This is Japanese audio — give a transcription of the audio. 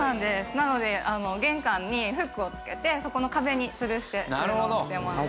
なので玄関にフックを付けてそこの壁につるして収納してます。